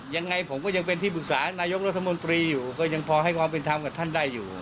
ยังไงผมก็ยังเป็นที่ปรึกษานายกรัฐมนตรีอยู่ก็ยังพอให้ความเป็นธรรมกับท่านได้อยู่